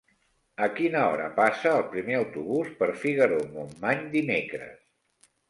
A quina hora passa el primer autobús per Figaró-Montmany dimecres?